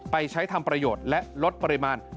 ไปใช้ทำประโยชน์และลดปริมาณ